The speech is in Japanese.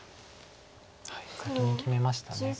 先に決めました。